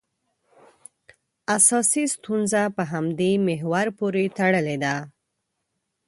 اساسي ستونزه په همدې محور پورې تړلې.